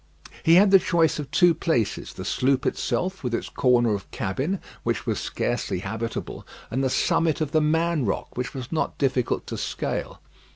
He had the choice of two places: the sloop itself, with its corner of cabin, which was scarcely habitable, and the summit of "The Man Rock," which was not difficult to scale.